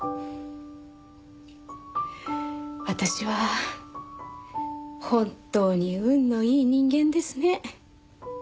私は本当に運のいい人間ですね。